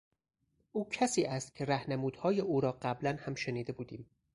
او کسی است که رهنمودهای او را قبلا هم شنیده بودیم.